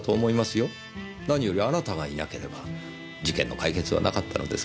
何よりあなたがいなければ事件の解決はなかったのですから。